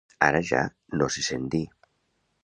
Ara ja no se sent dir.